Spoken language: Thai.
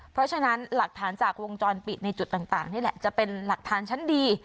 เพราะฉะนั้นหลักฐานจากวงจรปิดในจุดต่างนี่แหละจะเป็นหลักฐานชั้นดี